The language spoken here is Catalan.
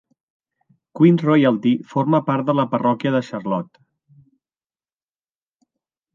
Queens Royalty forma part de la parròquia de Charlotte.